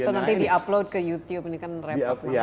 atau nanti di upload ke youtube ini kan repot